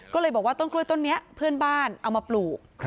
ก็เลยบอกว่าต้นกล้วยต้นนี้เพื่อนบ้านเอามาปลูก